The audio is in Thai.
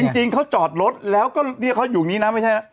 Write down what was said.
จริงเขาจอดรถแล้วก็ที่เขาอยู่อย่างนี้นะไม่ใช่นะ